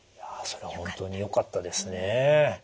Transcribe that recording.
それは本当によかったですね。